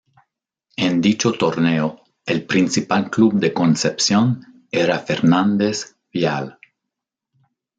En dicho torneo el principal club de Concepción era Fernández Vial.